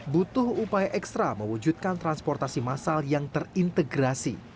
butuh upaya ekstra mewujudkan transportasi massal yang terintegrasi